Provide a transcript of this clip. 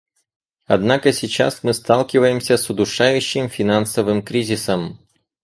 Однако сейчас мы сталкиваемся с удушающим финансовым кризисом.